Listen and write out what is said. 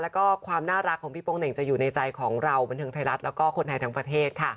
แล้วก็ความน่ารักของพี่โป้งเหน่งจะอยู่ในใจของเราบันทึงไทยรัฐ